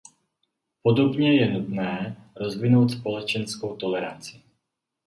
Podobně je nutné rozvinout společenskou toleranci.